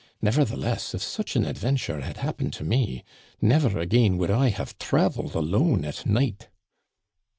Nevertheless, if such an ad venture had happened to me, never again would I have traveled alone at night."